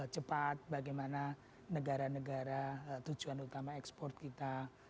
cepat bagaimana negara negara tujuan utama ekspor kita